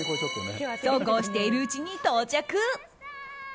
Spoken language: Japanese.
そうこうしているうちに到着。